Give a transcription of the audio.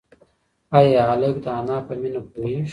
ایا هلک د انا په مینه پوهېږي؟